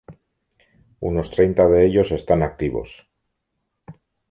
Unos treinta de ellos están activos.